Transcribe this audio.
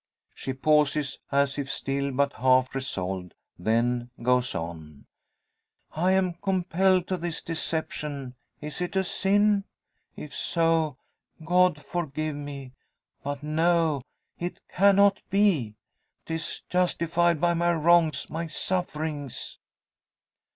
She pauses, as if still but half resolved, then goes on "I am compelled to this deception! Is it a sin? If so, God forgive me! But no it cannot be! 'Tis justified by my wrongs my sufferings!"